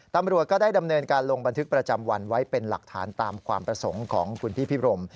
ตำรวจก็ได้ดำเนินการลงบันทึกประจำวันไว้เป็นหลักฐานตามความประสงค์ของคุณพี่พิบรม